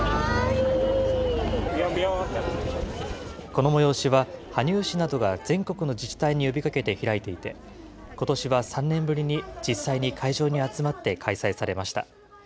この催しは、羽生市などが全国の自治体に呼びかけて開いていて、ことしは３年ぶりに実際に会場に集まって開催されました。